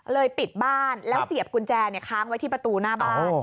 ปิดบ้านแล้วเสียบกุญแจค้างไว้ที่ประตูหน้าบ้าน